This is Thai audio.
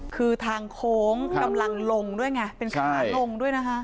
คือทางโค้งดำมรรงษ์ลงด้วยไงเป็นข้างหลังลงด้วยนะฮะ